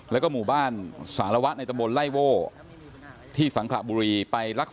แล้วก็เป็นภาพเหตุการณ์ที่เกิดขึ้นนะครับ